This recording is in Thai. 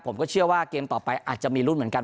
ผมก็เชื่อว่าเกมต่อไปอาจจะมีรุ่นเหมือนกัน